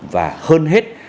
và hơn hết